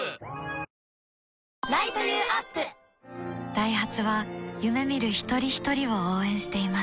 ダイハツは夢見る一人ひとりを応援しています